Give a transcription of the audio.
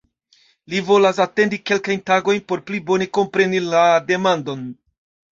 Li volas atendi kelkajn tagojn por "pli bone kompreni la demandon".